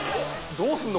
どうすんの？